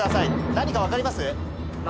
何か分かります？